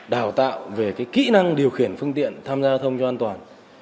đào tạo về kỹ năng điều khiển phương tiện tham gia giao thông cho an toàn